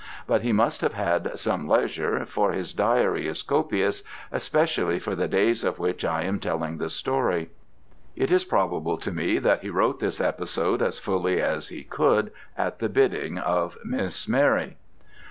But he must have had some leisure, for his diary is copious, especially for the days of which I am telling the story. It is probable to me that he wrote this episode as fully as he could at the bidding of Miss Mary.